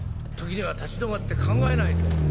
時には立ち止まって考えないと。